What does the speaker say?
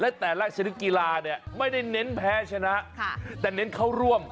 และแต่ละชนิดกีฬาเนี่ยไม่ได้เน้นแพ้ชนะแต่เน้นเข้าร่วม